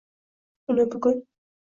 uni bugun